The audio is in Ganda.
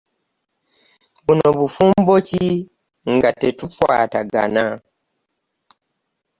Buno bufumbo ki nga tetukwatagana?